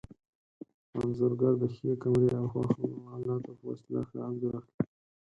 انځورګر د ښې کمرې او ښو الاتو په وسیله ښه انځور اخلي.